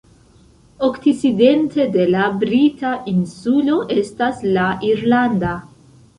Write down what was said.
Okcidente de la brita insulo estas la irlanda.